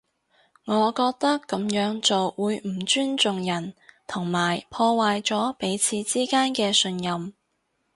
我覺得噉樣做會唔尊重人，同埋破壞咗彼此之間嘅信任